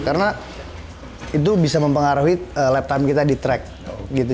karena itu bisa mempengaruhi lap time kita di track gitu